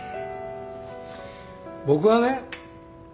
僕はね